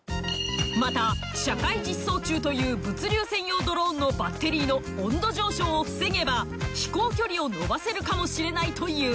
また社会実装中という物流専用ドローンのバッテリーの温度上昇を防げば飛行距離をのばせるかもしれないという。